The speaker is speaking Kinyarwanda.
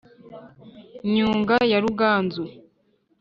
nyunga ya ruganzu